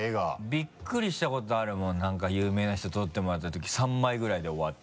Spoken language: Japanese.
びっくりしたことあるもん何か有名な人に撮ってもらったとき３枚ぐらいで終わって。